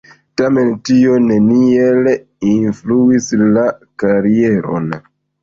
Tamen tio neniel influis la karieron.